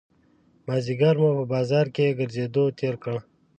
مازیګری مو په بازار کې ګرځېدو تېر کړ.